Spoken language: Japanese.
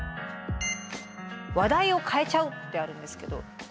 「話題を変えちゃう」ってあるんですけど。